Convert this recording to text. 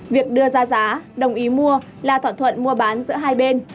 việc đưa ra giá đồng ý mua là thỏa thuận mua bán giữa hai bên